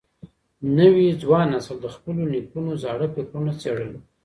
نوي ځوان نسل د خپلو نيکونو زاړه فکرونه څېړل.